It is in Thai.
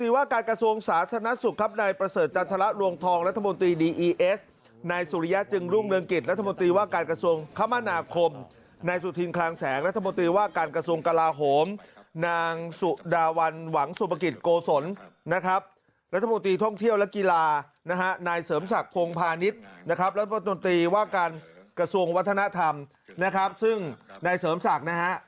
ว่าการกระทรวงวัฒนธรรมนะครับซึ่งในเสริมศักดิ์นะฮะ